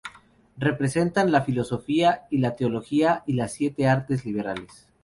Representan la Filosofía y la Teología y las siete artes liberales.